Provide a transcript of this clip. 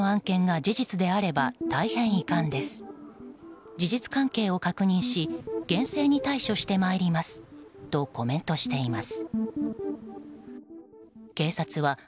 事実関係を確認し厳正に対処してまいりますとコメントしています。